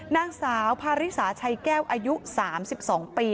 นางสาวพาริสาชัยแก้วอายุ๓๒ปี